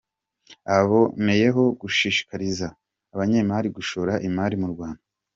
Aboneyeho gushishikariza abanyemari gushora imari mu Rwanda.